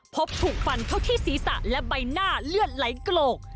พบถูกฟันเข้าที่ศีรษะและใบหน้าเลือดไหลโกก